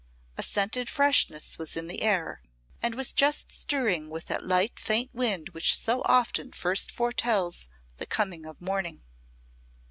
A scented freshness was in the air, and was just stirring with that light faint wind which so often first foretells the coming of the morning.